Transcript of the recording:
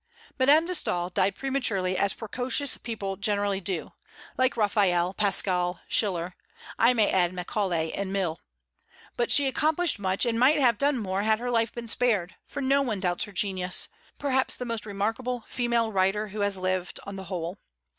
Madame de Staël died prematurely, as precocious people generally do, like Raphael, Pascal, Schiller, I may add Macaulay and Mill; but she accomplished much, and might have done more had her life been spared, for no one doubts her genius, perhaps the most remarkable female writer who has lived, on the whole.